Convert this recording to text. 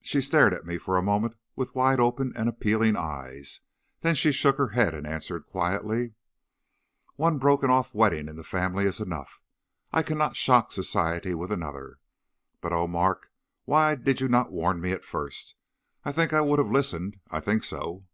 "She stared at me for a moment with wide open and appealing eyes; then she shook her head, and answered quietly: "'One broken off wedding in the family is enough. I cannot shock society with another. But, oh, Mark! why did you not warn me at first? I think I would have listened; I think so.'